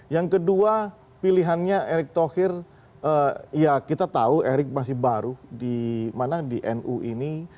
yang kedua pilihannya erick thohir ya kita tahu erick masih baru di mana di nu ini